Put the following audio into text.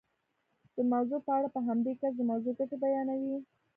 د موضوع په اړه په همدې کس د موضوع ګټې بیانوئ.